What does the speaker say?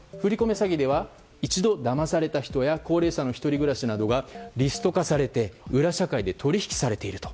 詐欺では一度、だまされた人や高齢者の１人暮らしなどがリスト化されて裏社会で取引されていると。